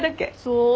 そう。